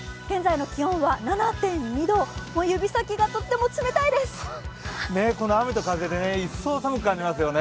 現在の気温は７．２度、指先がとっても冷たいです。